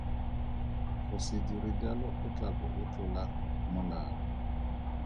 Go se dire jalo o tla bo o tlola molao.